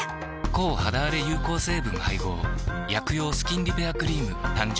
抗肌あれ有効成分配合薬用スキンリペアクリーム誕生